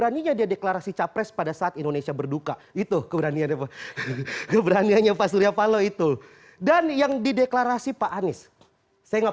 tuh keberaniannya pak keberaniannya pak suryapalo itu dan yang dideklarasi pak anies saya enggak